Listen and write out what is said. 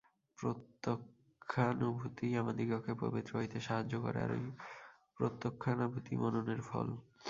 প্রত্যক্ষানুভূতিই আমাদিগকে পবিত্র হইতে সাহায্য করে, আর ঐ প্রত্যক্ষানুভূতি মননের ফল।